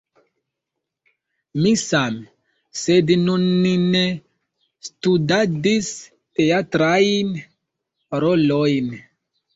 Mi same, sed nun ni ne studadis teatrajn rolojn.